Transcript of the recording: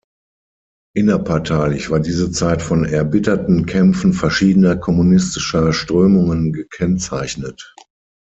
Innerparteilich war diese Zeit von erbitterten Kämpfen verschiedener kommunistischer Strömungen gekennzeichnet.